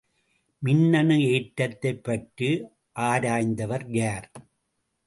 மின்னணு ஏற்றத்தைப் பற்றி ஆராய்ந்தவர் யார்?